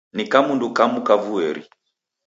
Ni kamundu kamu kavueri!